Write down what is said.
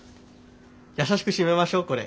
やさしく閉めましょうこれ。